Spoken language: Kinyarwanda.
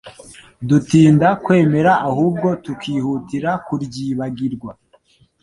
dutinda kwemera ahubwo tukihutira kuryibagirwa.